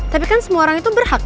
tapi kan semua orang itu berhak